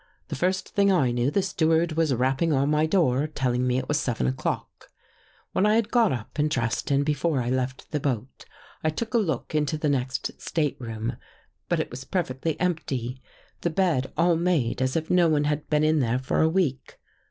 The first thing I knew the steward was rapping on my door telling me it was seven o'clock. " When I had got up and dressed and before I left the boat, I took a look into the next state room, but it was perfectly empty; the bed all made as if no one had been in there for a week.